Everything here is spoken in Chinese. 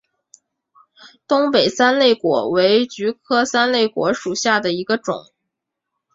东北三肋果为菊科三肋果属下的一个种。